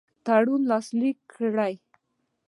تړون لاسلیک کړي.